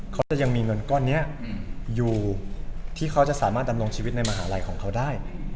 เขาจะยังมีเงินก้อนนี้อยู่ที่เขาจะสามารถดำรงชีวิตในมหาลัยของเขาได้